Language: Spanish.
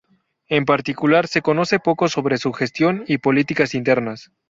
En particular se conoce poco sobre su gestión y políticas internas.